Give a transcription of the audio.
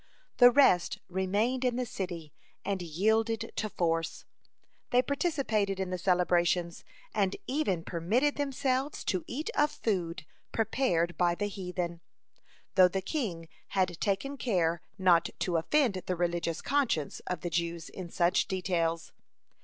(16) The rest remained in the city and yielded to force; they participated in the celebrations, and even permitted themselves to eat of food prepared by the heathen, though the king had taken care not to offend the religious conscience of the Jews in such details.